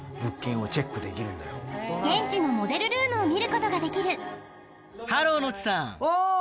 現地のモデルルームを見ることができるハローノッチさん。